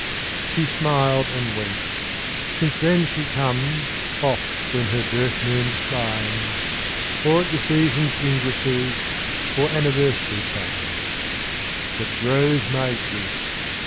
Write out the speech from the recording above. She smiled and went. Since then she comes Oft when her birth moon climbs, Or at the seasons' ingresses Or anniversary times; But grows my grief.